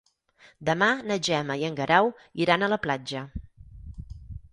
Demà na Gemma i en Guerau iran a la platja.